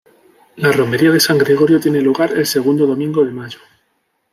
La romería de San Gregorio tiene lugar el segundo domingo de mayo.